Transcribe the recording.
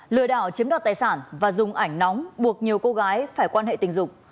lừa đảo chiếm đoạt tài sản và dùng ảnh nóng buộc nhiều cô gái phải quan hệ tình dục